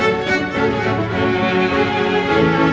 aku gak mau mama pergi